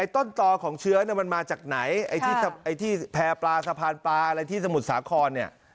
ต้นต่อของเชื้อมันมาจากไหนไอ้ที่แพร่ปลาสะพานปลาอะไรที่สมุทรสาครเนี่ย